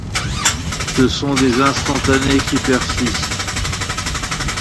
Ce sont des instantanés qui persistent.